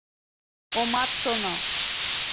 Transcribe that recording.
Омат шоно!